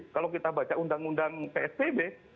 kalau kita baca undang undang psbb